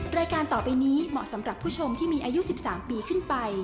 รายการต่อไปนี้เหมาะสำหรับผู้ชมที่มีอายุ๑๓ปีขึ้นไป